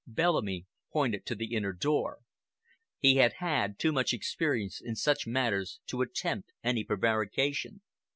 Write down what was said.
Bellamy pointed to the inner door. He had had too much experience in such matters to attempt any prevarication.